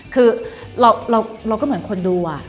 คือเราก็เหมือนคนดู